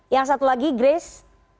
yang satu lagi grace